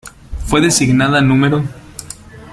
Fue designada N°.